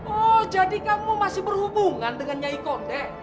oh jadi kamu masih berhubungan dengan nyai kondek